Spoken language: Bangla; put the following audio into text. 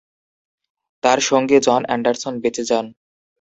তার সঙ্গী জন অ্যান্ডারসন বেঁচে যান।